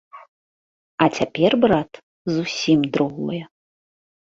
А цяпер, брат, зусім другое.